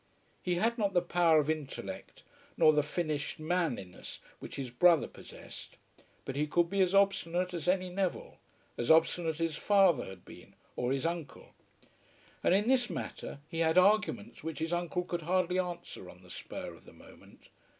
He had not the power of intellect nor the finished manliness which his brother possessed; but he could be as obstinate as any Neville, as obstinate as his father had been, or his uncle. And in this matter he had arguments which his uncle could hardly answer on the spur of the moment.